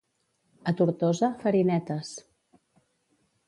A Tortosa, farinetes.